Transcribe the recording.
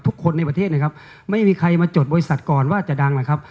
ทุกคนในประเทศนะครับไม่มีใครมาจดบริษัทก่อนว่าจะดังนะครับ